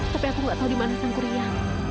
tapi aku nggak tahu di mana sang kurya